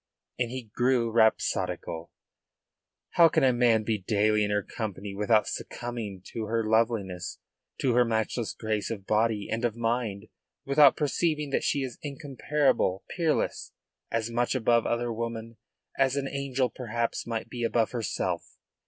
And he grew rhapsodical: "How can a man be daily in her company without succumbing to her loveliness, to her matchless grace of body and of mind, without perceiving that she is incomparable, peerless, as much above other women as an angel perhaps might be above herself?"